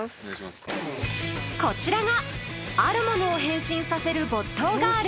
こちらがあるものを変身させる没頭ガール。